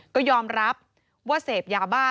ก็ยอมรับว่าเสพยาบ้า